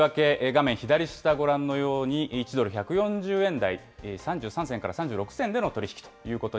画面左下ご覧のように１ドル１４０円台３３銭から３６銭での取り